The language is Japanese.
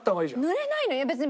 ぬれないのよ別に。